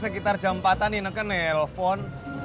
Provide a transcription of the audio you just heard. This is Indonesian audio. sekitar jam empat an ineke nelfon